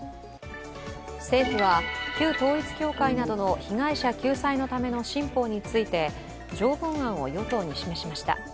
政府は旧統一教会などの被害者救済のための新法について条文案を与党に示しました。